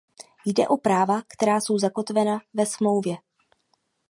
Jde o práva, která jsou zakotvena ve smlouvě.